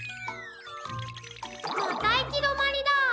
またいきどまりだ。